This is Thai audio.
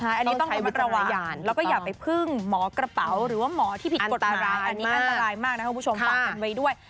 อันนี้ต้องระวัย